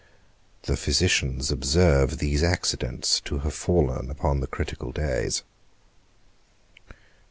_The physicians observe these accidents to have fallen upon the critical days.